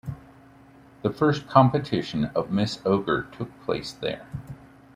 The first competition of "Miss Ogre" took place there.